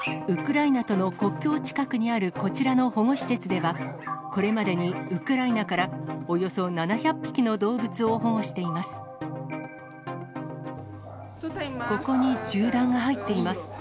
ウクライナとの国境近くにあるこちらの保護施設では、これまでにウクライナから、およそ７００匹の動物を保護しています。